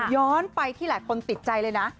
ย้อนไปที่หลายคนติดใจเลยนะ